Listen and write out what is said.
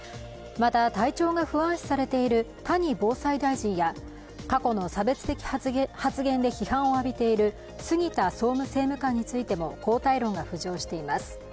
また、体調が不安視されている谷防災大臣や過去の差別的発言で批判を浴びている杉田総務政務官についても交代論が浮上しています。